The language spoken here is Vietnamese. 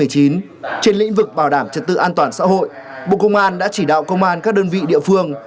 trên lĩnh vực bảo đảm trật tự an toàn xã hội bộ công an đã chỉ đạo công an các đơn vị địa phương